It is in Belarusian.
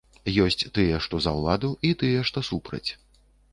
Ёсць тыя, што за ўладу і тыя, што супраць.